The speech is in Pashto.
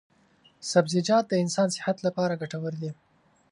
سبزیجات د انسان صحت لپاره ګټور دي.